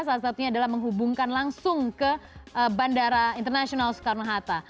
salah satunya adalah menghubungkan langsung ke bandara internasional soekarno hatta